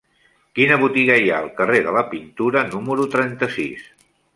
Quina botiga hi ha al carrer de la Pintura número trenta-sis?